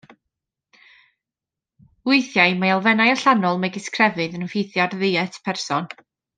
Weithiau mae elfennau allanol megis crefydd yn effeithio ar ddiet person.